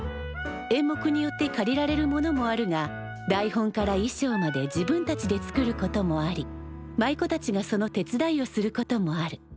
演目によって借りられるものもあるが台本からいしょうまで自分たちで作ることもあり舞妓たちがその手伝いをすることもある。